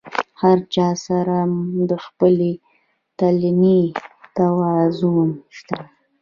هر چا سره د خپلې تلنې ترازو شته.